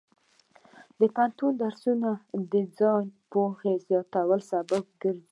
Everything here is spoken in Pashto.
د پوهنتون درسونه د ځان پوهې زیاتوالي سبب ګرځي.